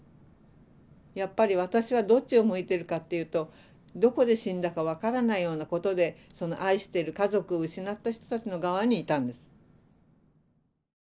やっぱり私はどっちを向いてるかっていうとどこで死んだか分からないようなことでその愛している家族を失った人たちの側にいたんです。